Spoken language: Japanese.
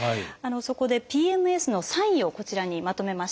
そこでＰＭＳのサインをこちらにまとめました。